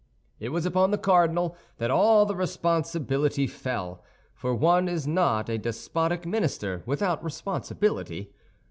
It was upon the cardinal that all the responsibility fell, for one is not a despotic minister without responsibility.